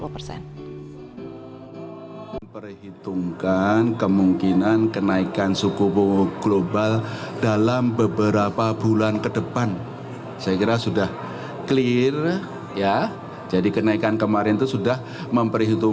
pertumbuhan kredit dua ribu sembilan belas diperkirakan mencapai sepuluh hingga dua belas persen dari produk domestik bruto